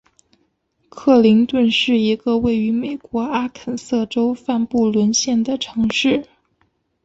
克林顿是一个位于美国阿肯色州范布伦县的城市。